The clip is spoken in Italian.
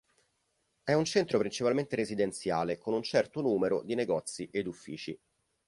È un centro principalmente residenziale, con un certo numero di negozi ed uffici.